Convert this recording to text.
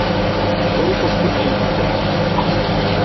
تو پوشی اہی اوتیتائے